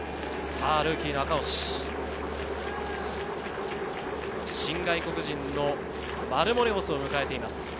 ルーキーの赤星、新外国人のマルモレホスを迎えています。